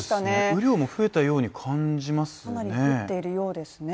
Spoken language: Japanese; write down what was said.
雨量も増えたように感じますよね。